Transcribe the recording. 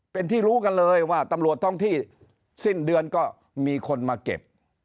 เป็นที่รู้กันเลยว่าตำรวจท้องที่สิ้นเดือนก็มีคนมาเก็บ